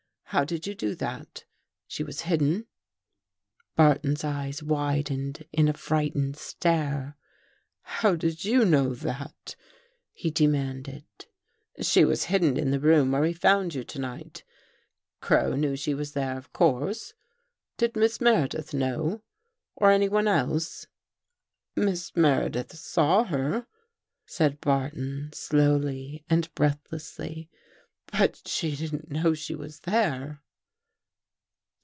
How did you do that? She was hidden." Barton's eyes widened in a frightened stare. " How did you know that? " he demanded. " She was hidden in the room where we found you to night. Crow knew she was there, of course. Did Miss Meredith know? Or anyone else? "" Miss Meredith saw her," said Barton, slowly and breathlessly. " But she didn't know she was there."